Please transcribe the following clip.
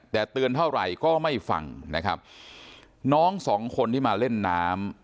แต่เตือนเท่าไหร่ก็ไม่ฟังนะครับน้องสองคนที่มาเล่นน้ำ